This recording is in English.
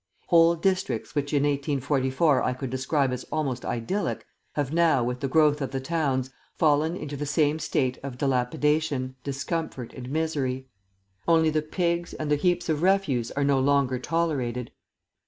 Whole districts which in 1844 I could describe as almost idyllic, have now, with the growth of the towns, fallen into the same state of dilapidation, discomfort, and misery. Only the pigs and the heaps of refuse are no longer tolerated.